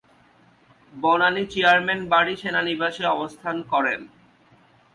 Banani chairman বাড়ী সেনানিবাসে অবস্থান করেন।